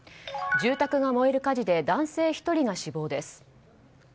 住宅が燃える火事で男性１人が死亡です。